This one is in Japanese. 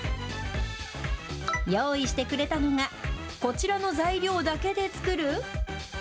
用意してくれたのが、こちらの材料だけで作る。